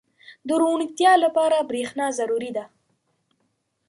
• د روڼتیا لپاره برېښنا ضروري ده.